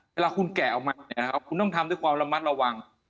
เวลาคุณแกะออกมาคุณต้องทำด้วยความระมัดระวัง